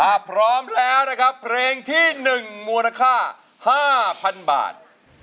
ถ้าพร้อมแล้วนะครับเพลงที่๑มูลค่า๕๐๐๐บาท